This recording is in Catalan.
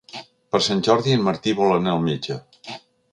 Per Sant Jordi en Martí vol anar al metge.